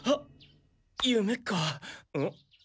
夢かん？